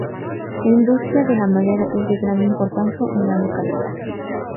La industria de la madera es de gran importancia en la localidad.